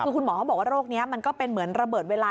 คือคุณหมอเขาบอกว่าโรคนี้มันก็เป็นเหมือนระเบิดเวลา